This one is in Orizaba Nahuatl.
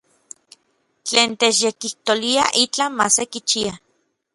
Tlen techyekijtolia itlaj ma sekichia.